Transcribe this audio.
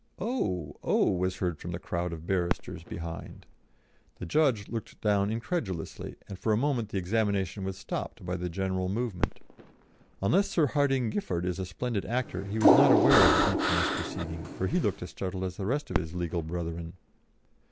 "Oh! Oh!" was heard from the crowd of barristers behind. The judge looked down incredulously, and for a moment the examination was stopped by the general movement. Unless Sir Hardinge Giffard is a splendid actor, he was not aware of the infamous proceeding, for he looked as startled as the rest of his legal brethren.